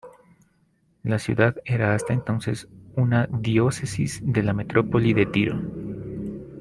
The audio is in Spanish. La ciudad era hasta entonces una diócesis de la Metrópoli de Tiro.